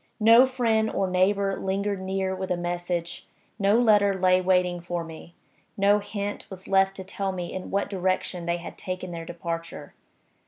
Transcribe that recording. No friend or neighbor lingered near with a message; no letter lay waiting for me; no hint was left to tell me in what direction they had taken their departure.